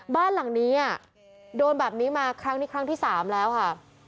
บ้านหลังนี้โดนแบบนี้มาครั้งนี้ครั้งที่๓แล้วค่ะ